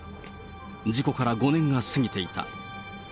事故から５年が過ぎていた。